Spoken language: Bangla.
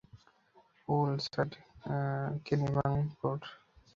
পুলসাইড, ক্যানিবাংকপোর্ট।